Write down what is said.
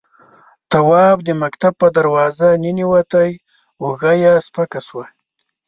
تواب د مکتب په دروازه ننوت، اوږه يې سپکه شوه.